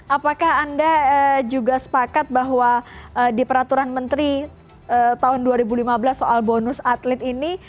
apakah anda juga sepakat bahwa di peraturan menteri tahun dua ribu lima belas soal bonus atlet ini